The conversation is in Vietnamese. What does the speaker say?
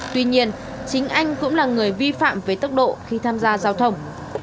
tuy nhiên chính anh cũng là người vi phạm với tốc độ khi tham gia giao thông